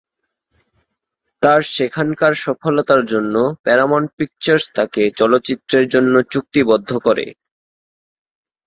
তার সেখানকার সফলতার জন্য প্যারামাউন্ট পিকচার্স তাকে চলচ্চিত্রের জন্য চুক্তিবদ্ধ করে।